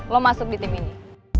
lo masuk di tim ini